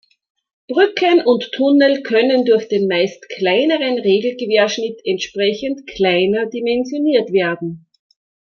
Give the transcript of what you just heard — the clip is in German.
Brücken und Tunnel können durch den meist kleineren Regelquerschnitt entsprechend kleiner dimensioniert werden.